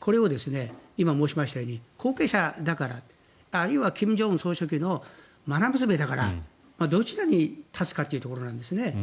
これを今申しましたように後継者、あるいは金正恩総書記のまな娘だから、どちらに立つかというところなんですね。